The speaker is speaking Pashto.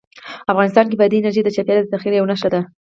افغانستان کې بادي انرژي د چاپېریال د تغیر یوه نښه ده.